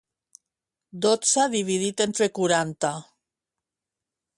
Dotze dividit entre quaranta.